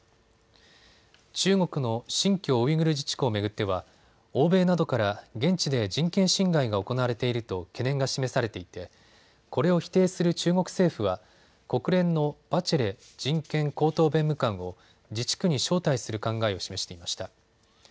中国の新疆ウイグル自治区を巡っては欧米などから現地で人権侵害が行われていると懸念が示されていてこれを否定する中国政府は国連のバチェレ人権高等弁務官を自治区に招待する考えを示していました。